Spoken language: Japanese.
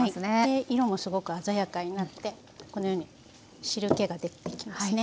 色もすごく鮮やかになってこのように汁けが出てきますね。